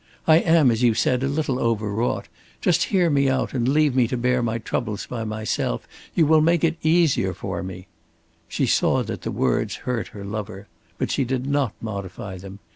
I am, as you said, a little over wrought! Just hear me out and leave me to bear my troubles by myself. You will make it easier for me"; she saw that the words hurt her lover. But she did not modify them.